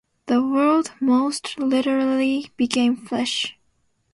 The word almost literally became flesh.